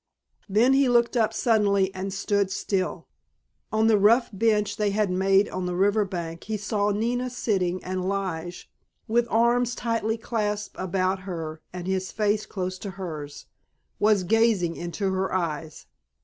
Then he looked up suddenly, and stood still. On the rough bench they had made on the river bank he saw Nina sitting, and Lige, with arms tightly clasped about her and his face close to hers, was gazing into her eyes.